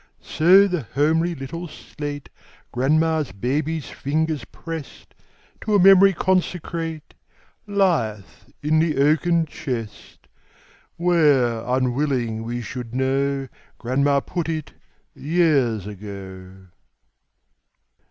So the homely little slate Grandma's baby's fingers pressed, To a memory consecrate, Lieth in the oaken chest, Where, unwilling we should know, Grandma put it, years ago.